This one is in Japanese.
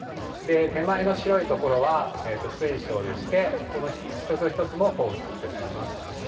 手前の白いところは、水晶でしてこの１つ１つも鉱物になります。